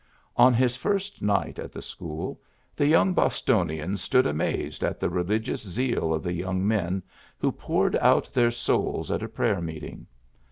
On his first night at the school the young Bostonian stood amazed at the religious zeal of the young men who poured out their souls at a prayer meeting.